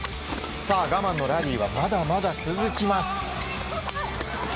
さあ、我慢のラリーはまだまだ続きます。